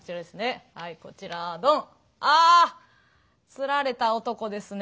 つられた男ですね。